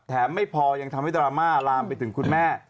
ไม่พอยังทำให้ดราม่าลามไปถึงคุณแม่